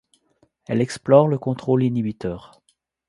Elle explore le contrôle inhibiteur.